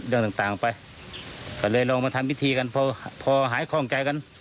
เรื่องต่างไปก็เลยลองมาทำพิธีกันพอพอหายคล่องใจกัน